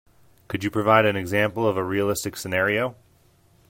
Could you provide an example of a realistic scenario?